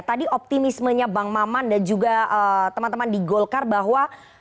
tadi optimismenya bang maman dan juga teman teman di golkar bahwa